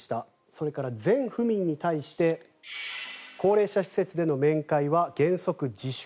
それから全府民に対して高齢者施設での面会は原則自粛